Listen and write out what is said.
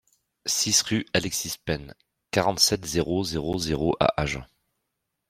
six rue Alexis Pain, quarante-sept, zéro zéro zéro à Agen